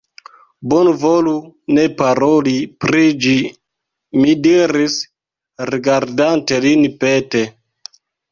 Bonvolu ne paroli pri ĝi, mi diris, rigardante lin pete.